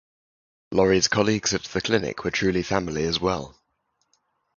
Laurie's colleagues at the clinic were truly family as well.